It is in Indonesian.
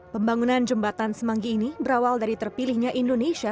pembangunan jembatan semanggi ini berawal dari terpilihnya indonesia